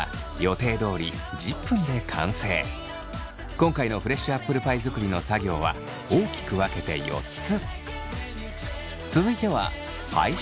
今回のフレッシュアップルパイ作りの作業は大きく分けて４つ。